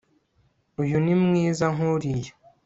uyu ni mwiza nkuriya